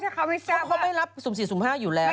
เขาไม่รับสูง๔สูง๕อยู่แล้ว